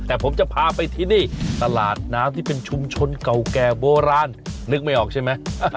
แต่ผมจะพาไปที่นี่ตลาดน้ำที่เป็นชุมชนเก่าแก่โบราณนึกไม่ออกใช่ไหม